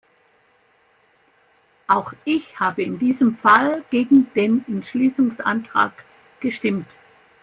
Auch ich habe in diesem Fall gegen den Entschließungsantrag gestimmt.